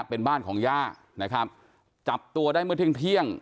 เป็นบ้านของย่านะครับจับตัวได้เมื่อเที่ยงเที่ยง